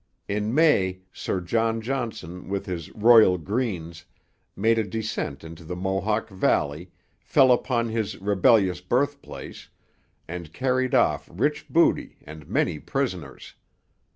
In May Sir John Johnson with his 'Royal Greens' made a descent into the Mohawk valley, fell upon his 'rebellious birthplace,' and carried off rich booty and many prisoners.